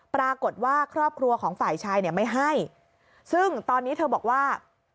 ปรากฏว่าครอบครัวของฝ่ายชายเนี่ยไม่ให้ซึ่งตอนนี้เธอบอกว่า